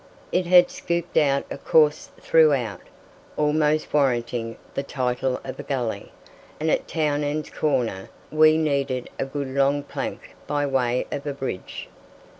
It had scooped out a course throughout, almost warranting the title of a gully, and at Townend's corner we needed a good long plank by way of a bridge.